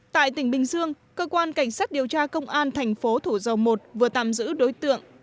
tại tỉnh bình dương cơ quan cảnh sát điều tra công an thành phố thủ dầu một vừa tạm giữ đối tượng